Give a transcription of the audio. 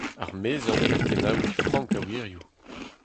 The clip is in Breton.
Ar meziant kartennaouiñ frank a wirioù.